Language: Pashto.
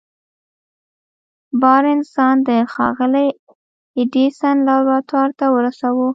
بارنس ځان د ښاغلي ايډېسن لابراتوار ته ورساوه.